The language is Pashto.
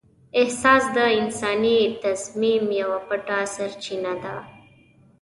احساس د انساني تصمیم یوه پټه سرچینه ده.